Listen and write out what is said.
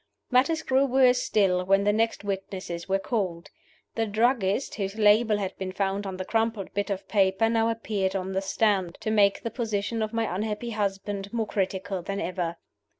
Matters grew worse still when the next witnesses were called. The druggist whose label had been found on the crumpled bit of paper now appeared on the stand, to make the position of my unhappy husband more critical than ever.